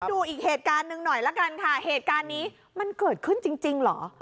ดูอีกเหตุการณ์หนึ่งหน่อยละกันค่ะเหตุการณ์นี้มันเกิดขึ้นจริงเหรอ